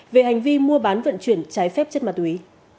về hành vi mua bán vận chuyển trái phép chất ma túy